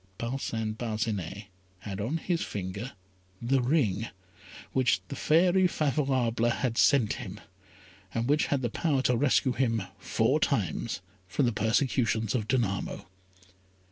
Parcin Parcinet had on his finger the ring which the fairy Favourable had sent him, and which had the power to rescue him four times from the persecutions of Danamo.